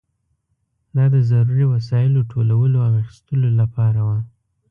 دا د ضروري وسایلو ټولولو او اخیستلو لپاره وه.